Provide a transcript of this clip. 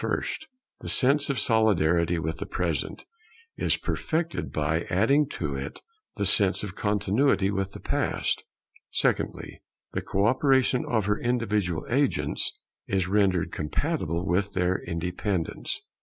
First, the sense of Solidarity with the Present is perfected by adding to it the sense of Continuity with the Past; secondly, the co operation of her individual agents is rendered compatible with their independence.